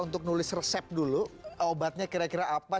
untuk nulis resep dulu obatnya kira kira apa